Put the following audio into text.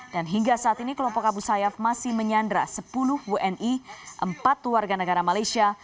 dan hingga saat ini kelompok abu sayyaf masih menyandra sepuluh wni empat warga negara malaysia